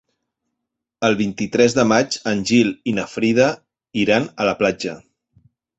El vint-i-tres de maig en Gil i na Frida iran a la platja.